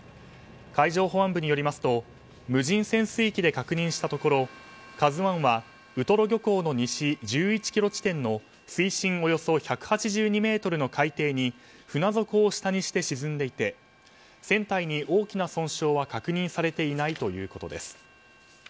海上保安部によりますと無人潜水機で確認したところ「ＫＡＺＵ１」はウトロ漁港の西１１ｋｍ地点の水深およそ１８２ｍの海底に船底を下にして沈んでいて船体に大きな損傷は確認されていないということです。